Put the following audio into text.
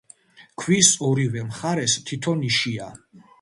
ქვის ორივე მხარეს თითო ნიშია.